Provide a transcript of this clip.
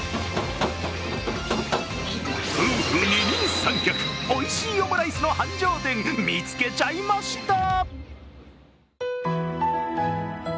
夫婦二人三脚、おいしいオムライスの繁盛店、見つけちゃいました。